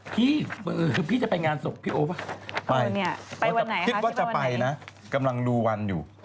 พี่พี่จะไปงานศพพี่โอป่ะไปเนี่ยคิดว่าจะไปนะกำลังดูวันอยู่